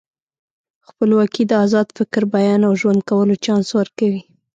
خپلواکي د ازاد فکر، بیان او ژوند کولو چانس ورکوي.